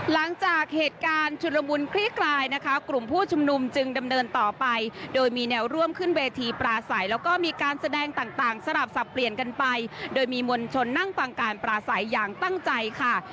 หลังจากเหตุการณ์ชุดละมุนคลี่คลายนะคะกลุ่มผู้ชุมนุมจึงดำเนินต่อไปโดยมีแนวร่วมขึ้นเวทีปลาใสแล้วก็มีการแสดงต่างสลับสับเปลี่ยนกันไปโดยมีมวลชนนั่งฟังการปราศัยอย่างตั้งใจค่ะ